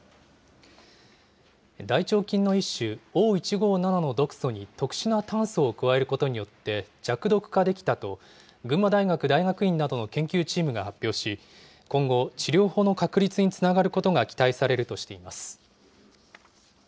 大腸菌の一種、Ｏ１５７の毒素に特殊な炭素を加えることによって、弱毒化できたと、群馬大学大学院などの研究チームが発表し、今後、治療法の確立につながることが期待されるとしています。